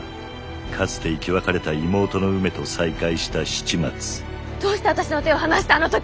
かつて生き別れた妹の梅と再会した七松どうして私の手を離したあの時！